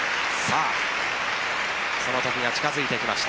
その時が近づいてきました。